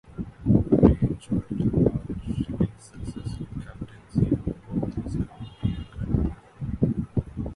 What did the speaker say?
May enjoyed a largely successful captaincy of both his county and country.